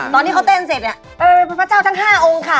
ตอนที่เขาเต้นเสร็จเนี่ยพระเจ้าทั้ง๕องค์ค่ะ